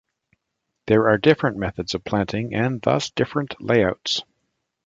There are different methods of planting and thus different layouts.